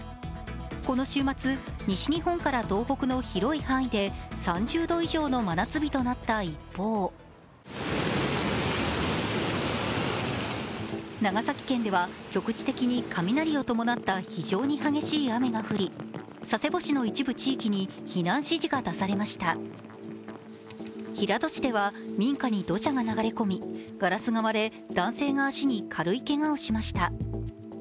この週末、西日本から東北の広い範囲で３０度以上の真夏日となった一方長崎県では局地的に雷を伴った非常に激しい雨が降り、佐世保市の一部地域に避難指示が出されました平戸市では民家に土砂が流れ込み、ガラスが割れ男性が足に軽いけがをしました。